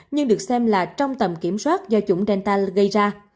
nhưng được xem là trong tầm kiểm soát do chủng delta gây ra